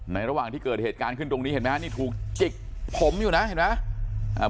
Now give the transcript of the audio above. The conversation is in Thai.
ระหว่างที่เกิดเหตุการณ์ขึ้นตรงนี้เห็นไหมฮะนี่ถูกจิกผมอยู่นะเห็นไหม